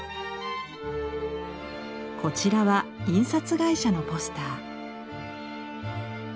こちらは印刷会社のポスター。